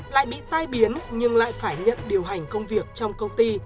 lại bị tai biến nhưng lại phải nhận điều hành công việc trong công ty